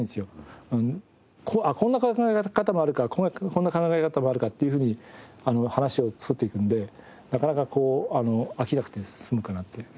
こんな考え方もあるかっていうふうに話を作っていくんでなかなかこう飽きなくて済むかなって。